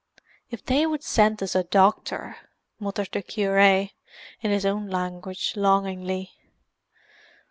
"If they would send us a doctor!" muttered the cure, in his own language, longingly.